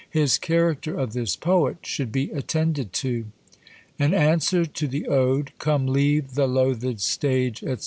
His character of this poet should be attended to: AN ANSWER TO THE ODE, COME LEAVE THE LOATHED STAGE, &C.